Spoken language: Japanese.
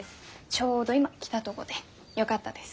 ちょうど今来たとごでよかったです。